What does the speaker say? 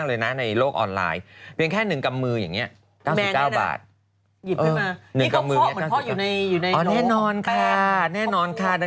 เขาบอกว่าขายการโจ่งครึ่มมากเลยนะ